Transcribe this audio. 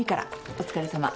お疲れさま。